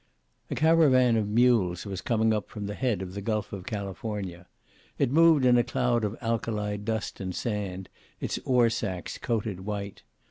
A caravan of mules was coming up from the head of the Gulf of California. It moved in a cloud of alkali dust and sand, its ore sacks coated white.